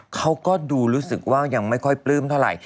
เขาก็ดูรู้สึกว่ายังไม่ค่อยปลื้มเท่าไหร่